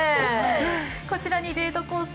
こちらにデートコース